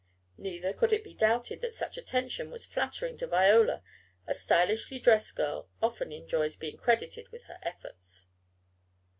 Neither could it be doubted that such attention was flattering to Viola, a stylishly dressed girl often enjoys being credited with her efforts.